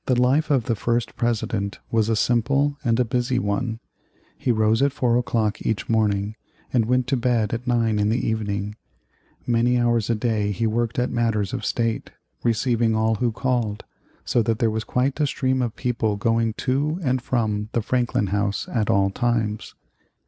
[Illustration: The John Street Theatre, 1781.] The life of the First President was a simple and a busy one. He rose at four o'clock each morning and went to bed at nine in the evening. Many hours a day he worked at matters of state, receiving all who called, so that there was quite a stream of people going to and from the Franklin House at all times.